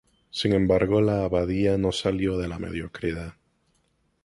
Sin embargo, la abadía no salió de la mediocridad.